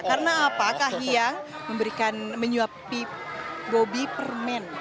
karena apa kahiyang memberikan menyuapi bobi permen